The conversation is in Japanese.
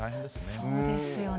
そうですよね。